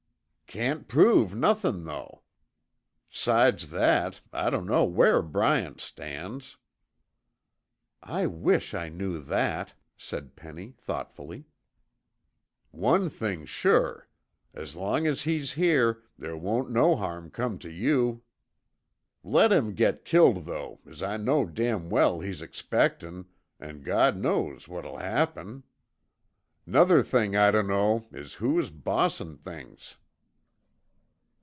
"Can't prove nothin' though; 'sides that, I dunno where Bryant stands." "I wish I knew that," said Penny thoughtfully. "One thing's sure. As long as he's here, there won't no harm come tuh you. Let him git killed though, as I know damn well he's expectin', an' God knows what'll happen. 'Nuther thing I dunno is who is bossin' things!"